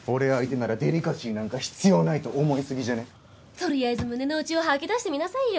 とりあえず胸の内を吐き出してみなさいよ。